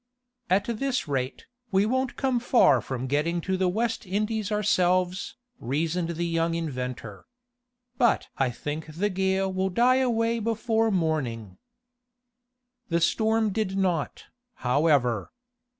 "At this rate, we won't come far from getting to the West Indies ourselves," reasoned the young inventor. "But I think the gale will die away before morning." The storm did not, however.